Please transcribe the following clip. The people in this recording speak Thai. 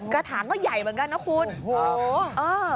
กระถางก็ใหญ่เหมือนกันนะคุณโอ้โหเออ